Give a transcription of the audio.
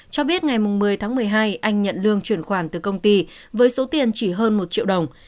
cho biết ngày một mươi tháng một mươi hai anh nhận lương chuyển khoản từ công ty với số tiền chỉ hơn một triệu đồng